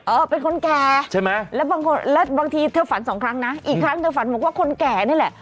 เออเป็นคนแก่ใช่ไหมแล้วบางคนแล้วบางทีเธอฝันสองครั้งนะอีกครั้งเธอฝันบอกว่าคนแก่นี่แหละ